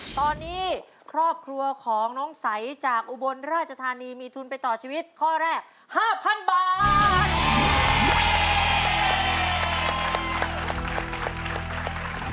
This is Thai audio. ตอนนี้ครอบครัวของน้องใสจากอุบลราชธานีมีทุนไปต่อชีวิตข้อแรก๕๐๐๐บาท